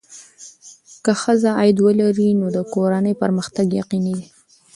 که ښځه عاید ولري، نو د کورنۍ پرمختګ یقیني دی.